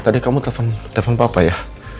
tadi kamu telpon papa ya